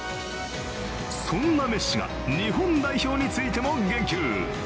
そんなメッシが日本代表についても言及。